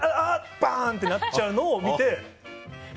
バン！ってなっちゃうのを見て。